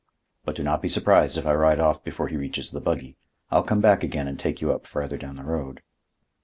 But do not be surprised if I ride off before he reaches the buggy. I'll come back again and take you up farther down the road."